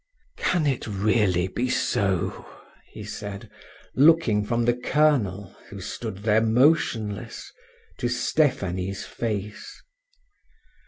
"Can it really be so?" he said, looking from the colonel, who stood there motionless, to Stephanie's face.